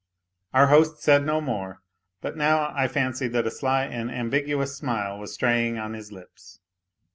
Our host said no more, but now I fancied that a sly and ambiguous smile was straying on his lips.